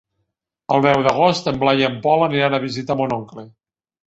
El deu d'agost en Blai i en Pol aniran a visitar mon oncle.